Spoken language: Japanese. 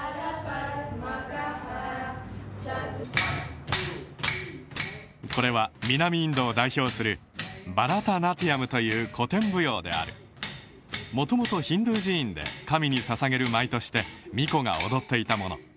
ワンツースリーフォーこれは南インドを代表するバラタナティアムという古典舞踊であるもともとヒンドゥー寺院で神に捧げる舞として巫女が踊っていたもの